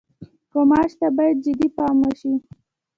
غوماشې ته باید جدي پام وشي.